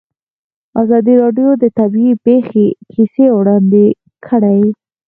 ازادي راډیو د طبیعي پېښې کیسې وړاندې کړي.